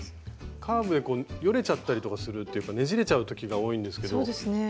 カーブでよれちゃったりとかするっていうかねじれちゃう時が多いんですけどほんとにきれいに縫えてますね。